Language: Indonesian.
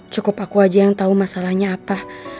cukup aku aja yang tahu masalahnya apa